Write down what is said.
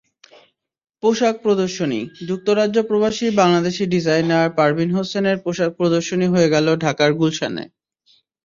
পোশাক প্রদর্শনীযুক্তরাজ্যপ্রবাসী বাংলাদেশি ডিজাইনার পারভীন হোসেনের পোশাক প্রদর্শনী হয়ে গেল ঢাকার গুলশানে।